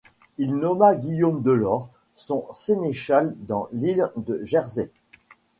Il nomma Guillaume de Lor son sénéchal dans l’ile de Jersey.